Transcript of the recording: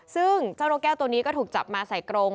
ซึ่งเจ้านกแก้วตัวนี้ก็ถูกจับมาใส่กรง